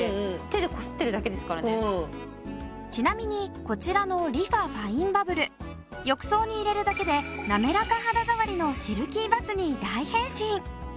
ちなみにこちらのリファファインバブル浴槽に入れるだけで滑らか肌触りのシルキーバスに大変身。